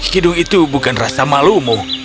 hidung itu bukan rasa malumu